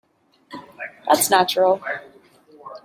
That's natural.